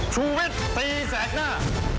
ชุวิตตีแสนหน้า